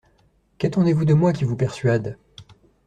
Qu'attendez-vous de moi qui vous persuade?